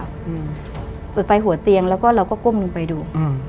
เปิดไฟหัวเตียงแล้วก็เราก็ก้มลงไปดูอืม